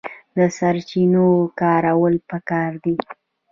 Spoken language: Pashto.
د سرچینو کارول پکار دي